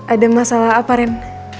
ada masalah apa ren